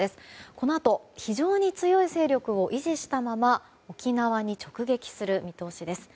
このあと非常に強い勢力を維持したまま沖縄に直撃する見通しです。